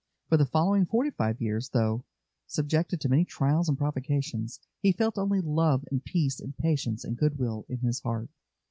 For the following forty five years, though subjected to many trials and provocations, he felt only love and peace and patience and good will in his heart.